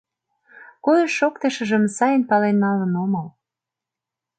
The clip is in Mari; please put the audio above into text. Койыш-шоктышыжым сайын пален налын омыл.